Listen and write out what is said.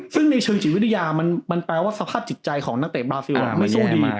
ซึ่งในเชิงจิตวิทยามันแปลว่าสภาพจิตใจของนักเตะบาซิลไม่สู้ดี